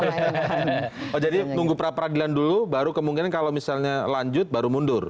oh jadi nunggu pra peradilan dulu baru kemungkinan kalau misalnya lanjut baru mundur